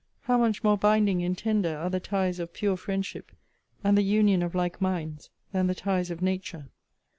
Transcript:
How much more binding and tender are the ties of pure friendship, and the union of like minds, than the ties of nature!